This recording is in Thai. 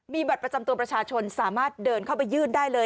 มีบัตรประจำตัวประชาชนสามารถเดินเข้าไปยื่นได้เลย